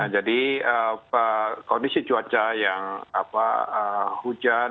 jadi kondisi cuaca yang hujan